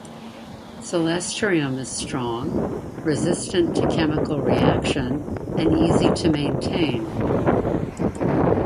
Celestrium is strong, resistant to chemical reaction, and easy to maintain.